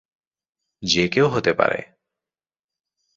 যে কেউ হতে পারে।